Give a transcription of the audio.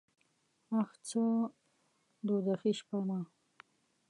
اخ څه دوږخي شپه وه .